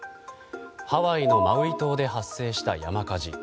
ハワイのマウイ島で発生した山火事。